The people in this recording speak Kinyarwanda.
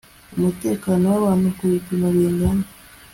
umutekano w abantu ku gipimo kingana na